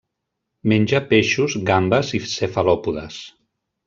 Menja peixos, gambes i cefalòpodes.